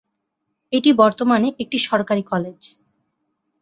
এটি বর্তমানে একটি সরকারি কলেজ।